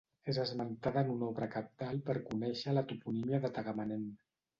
És esmentada en una obra cabdal per conèixer la toponímia de Tagamanent.